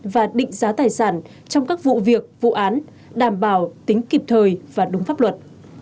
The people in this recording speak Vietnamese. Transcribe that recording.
và định giá tài sản trong các vụ việc vụ án đảm bảo tính kịp thời và đúng pháp luật